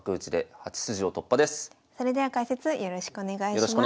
それでは解説よろしくお願いします。